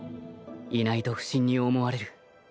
いないと不審に思われる。